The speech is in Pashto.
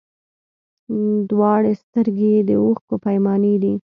دواړي سترګي یې د اوښکو پیمانې دي